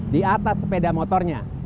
di atas sepeda motornya